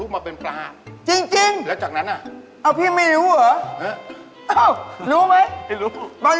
มันต้องมีใบนำเข้ามีไหม